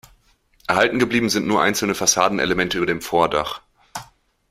Erhalten geblieben sind nur einzelne Fassadenelemente über dem Vordach.